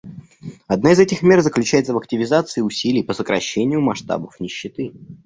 Одна из этих мер заключается в активизации усилий по сокращению масштабов нищеты.